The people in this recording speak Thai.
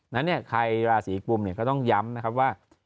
นั้นใครราศีกุมก็ต้องย้ำนะครับว่า